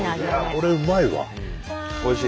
これうまいわ。